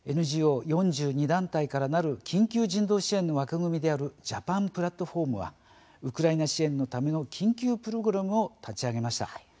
ＮＧＯ４２団体からなる緊急人道支援の枠組みであるジャパン・プラットフォームはウクライナ支援のための緊急プログラムを立ち上げました。